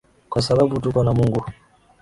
Kwasababu tuko na Mungu